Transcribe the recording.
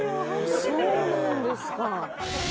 そうなんですか。